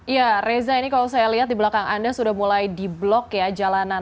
ya reza ini kalau saya lihat di belakang anda sudah mulai di blok ya jalanan